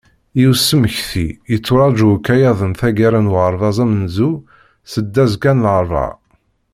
I usemekti, yetturaǧu ukayad n taggara n uɣerbaz amenzu seldazekka n larebɛa.